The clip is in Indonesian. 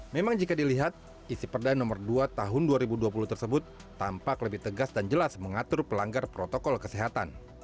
memang jika dilihat isi perda nomor dua tahun dua ribu dua puluh tersebut tampak lebih tegas dan jelas mengatur pelanggar protokol kesehatan